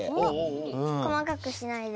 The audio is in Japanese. こまかくしないで。